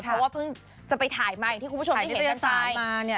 เพราะว่าเพิ่งจะไปถ่ายมาอย่างที่คุณผู้ชมได้เห็นกันไป